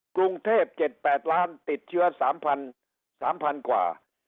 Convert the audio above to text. กรุงเทพ๗๘ล้านติดเชื้อ๓๐๐๐กว่า